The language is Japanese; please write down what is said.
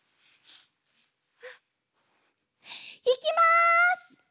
いきます！